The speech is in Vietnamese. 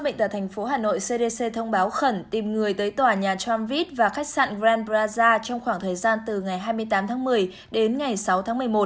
bệnh tật thành phố hà nội cdc thông báo khẩn tìm người tới tòa nhà tramvit và khách sạn grand praza trong khoảng thời gian từ ngày hai mươi tám tháng một mươi đến ngày sáu tháng một mươi một